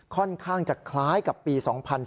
ค่อนข้างจะคล้ายกับปี๒๕๔